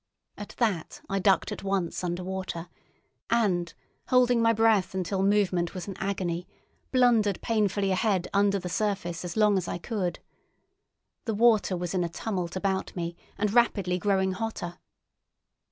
At that I ducked at once under water, and, holding my breath until movement was an agony, blundered painfully ahead under the surface as long as I could. The water was in a tumult about me, and rapidly growing hotter.